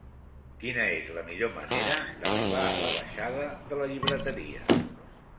Quina és la millor manera d'arribar a la baixada de la Llibreteria?